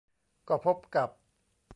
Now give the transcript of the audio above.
ก็พบกับ